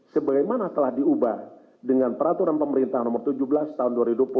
sebagaimana telah diubah dengan peraturan pemerintah nomor tujuh belas tahun dua ribu dua puluh